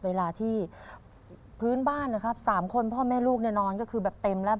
เวลาที่พื้นบ้านนะครับสามคนพ่อแม่ลูกเนี่ยนอนก็คือแบบเต็มแล้ว